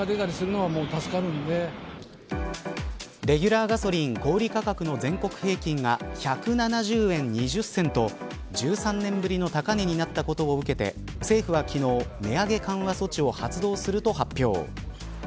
レギュラーガソリン小売価格の全国平均が１７０円２０銭と１３年ぶりの高値となったことを受けて政府は昨日、値上げ緩和措置を発動すると発表。